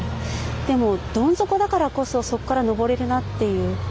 でも、どん底だからこそそこから登れるなっていう。